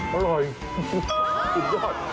สุดยอด